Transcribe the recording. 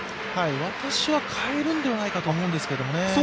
私は代えるのではないかと思うんですけどね。